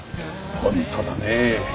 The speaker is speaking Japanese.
本当だねえ。